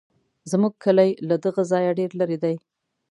زموږ کلی له دغه ځایه ډېر لرې دی.